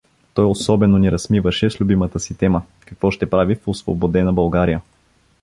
Той особено ни разсмиваше с любимата си тема: какво ще прави в освободена България.